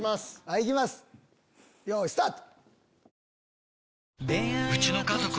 行きますよいスタート！